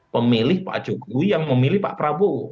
pemilih pak jokowi yang memilih pak prabowo